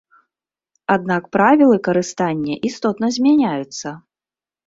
Аднак правілы карыстання істотна змяняюцца.